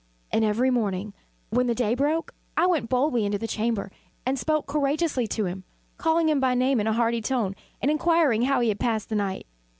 And every morning, when the day broke, I went boldly into the chamber, and spoke courageously to him, calling him by name in a hearty tone, and inquiring how he has passed the night.